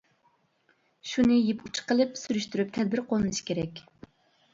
شۇنى يىپ ئۇچى قىلىپ سۈرۈشتۈرۈپ تەدبىر قوللىنىش كېرەك.